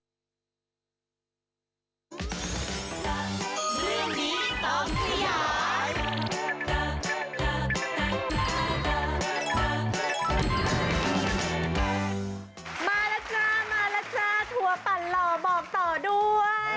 มาจ้ามาแล้วจ้าทัวร์ปั่นหล่อบอกต่อด้วย